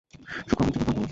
সুখবরের জন্য ধন্যবাদ।